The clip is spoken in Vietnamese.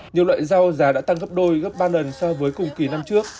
nhiều loại rau giá đã tăng gấp đôi gấp ba lần so với cùng kỳ năm trước